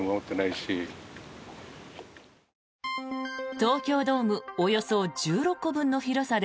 東京ドームおよそ１６個分の広さで